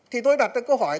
thì tôi đặt ra câu hỏi